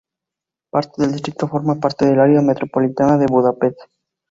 Parte del distrito forma parte del área metropolitana de Budapest.